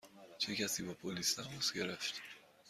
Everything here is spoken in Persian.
چه کسی با پلیس تماس گرفت؟